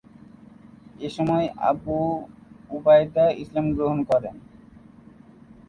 এসময় আবু উবাইদা ইসলাম গ্রহণ করেন।